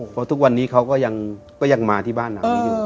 เพราะทุกวันนี้เขาก็ยังมาที่บ้านหลังนี้อยู่